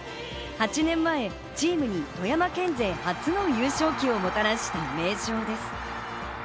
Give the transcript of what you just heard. ８年前、チームに富山県勢初の優勝旗をもたらした名将です。